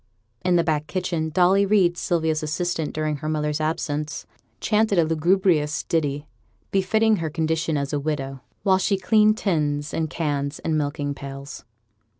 In the back kitchen Dolly Reid, Sylvia's assistant during her mother's absence, chanted a lugubrious ditty, befitting her condition as a widow, while she cleaned tins, and cans, and milking pails.